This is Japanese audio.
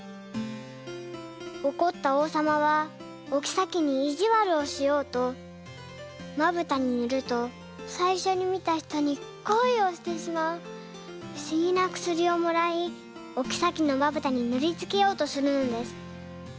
おこったおうさまはおきさきにいじわるをしようと「まぶたにぬるとさいしょに見たひとに恋をしてしまうふしぎなくすり」をもらいおきさきのまぶたにぬりつけようとするのです。